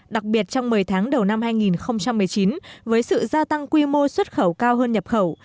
đặc biệt trong một mươi tháng đầu năm hai nghìn một mươi chín với sự gia tăng quy mô xuất khẩu cao hơn nhập khẩu